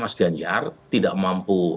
mas ganjar tidak mampu